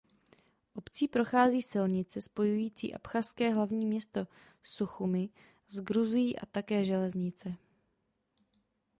Obcí prochází silnice spojující abchazské hlavní město Suchumi s Gruzií a také železnice.